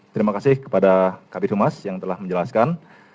terima kasih kepada kabit humas yang telah menjelaskan